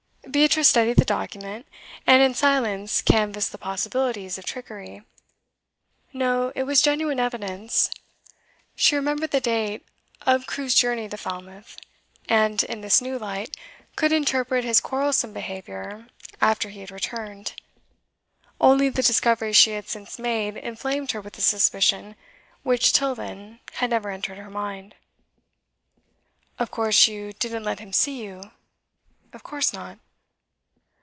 Beatrice studied the document, and in silence canvassed the possibilities of trickery. No; it was genuine evidence. She remembered the date of Crewe's journey to Falmouth, and, in this new light, could interpret his quarrelsome behaviour after he had returned. Only the discovery she had since made inflamed her with a suspicion which till then had never entered her mind. 'Of course, you didn't let him see you?' 'Of course not.